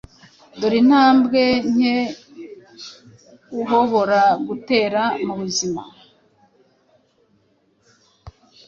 Dore intambwe nke uhobora gutera mubuzima